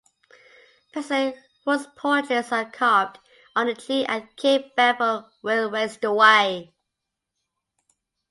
Persons whose portraits are carved on a tree at Cape Bedford will waste away.